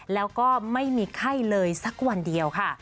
แล้วก็ไม่มีไข้เลยสักวันเดียวค่ะ